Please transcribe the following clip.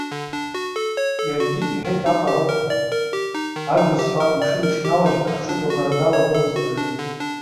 Иаргьы, иҳәеит аҟароуп ҳәа, агәызҳәа амшын иҽналажьны аҽыкәабара далагомызт уажәы.